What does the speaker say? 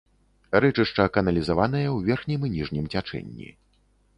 Рэчышча каналізаванае ў верхнім і ніжнім цячэнні.